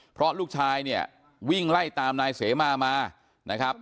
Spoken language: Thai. เพราะลูกชายเนี่ยวิ่งไล่ตามนายเสมามานะครับ